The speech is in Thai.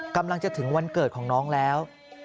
กำลังจะถึงวันเกิดของน้องแล้ว